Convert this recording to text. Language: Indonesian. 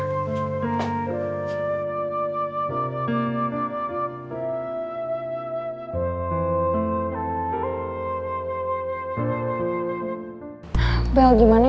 coba bareng aja dot